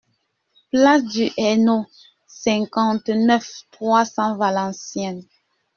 Place du Hainaut, cinquante-neuf, trois cents Valenciennes